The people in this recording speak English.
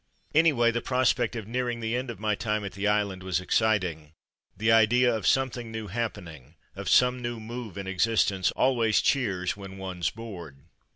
Anyway, the prospect of nearing the end of my time at the island was exciting. The idea of something new happening, of some new move in existence, always cheers when one's bored.